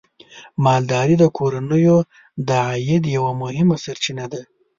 مالداري د کورنیو د عاید یوه مهمه سرچینه ده.